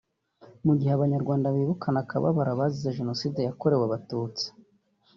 Mu gihe Abanyarwanda bibukana akababaro abazize Jenoside yakorewe Abatutsi